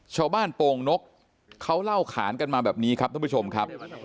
โป่งนกเขาเล่าขานกันมาแบบนี้ครับท่านผู้ชมครับ